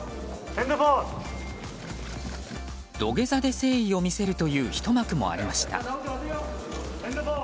土下座で誠意を見せるというひと幕もありました。